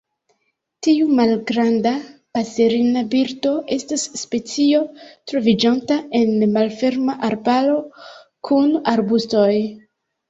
Tiu malgranda paserina birdo estas specio troviĝanta en malferma arbaro kun arbustoj.